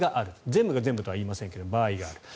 全部が全部とは言いませんが場合がある。